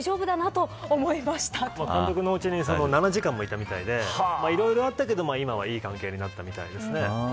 李監督からこんなエピソ−ドを監督のうちに７時間もいたみたいでいろいろあったみたいだけど今はいい関係になったみたいですね。